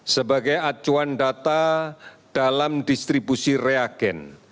sebagai acuan data dalam distribusi reagen